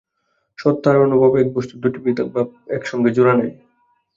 সত্তা আর অনুভব এক বস্তু, দুটি পৃথক পৃথক ভাব এক সঙ্গে জোড়া নয়।